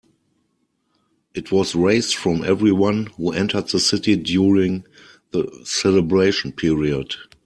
It was raised from everyone who entered the city during the celebration period.